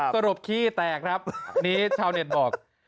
กระดูกขี้แตกนี้ชาวเน็ตบอก